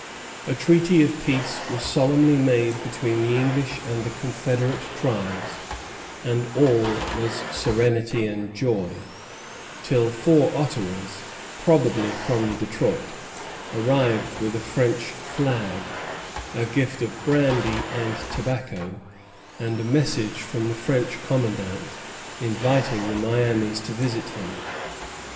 A treaty of peace was solemnly made between the English and the confederate tribes, and all was serenity and joy; till four Ottawas, probably from Detroit, arrived with a French flag, a gift of brandy and tobacco, and a message from the French commandant inviting the Miamis to visit him.